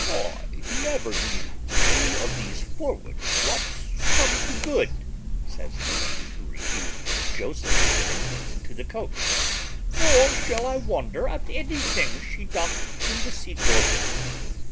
"I never knew any of these forward sluts come to good" (says the lady who refused Joseph's entrance into the coach), "nor shall I wonder at anything she doth in the sequel."